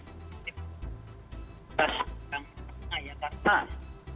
jadi memang memang yang dalam kondisi yang terakhir